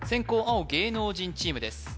青芸能人チームです